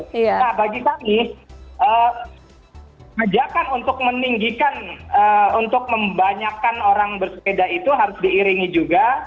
nah bagi kami ajakan untuk meninggikan untuk membanyakan orang bersepeda itu harus diiringi juga